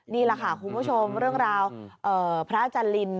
นี่แหละค่ะคุณผู้ชมเรื่องราวพระอาจารย์ลิน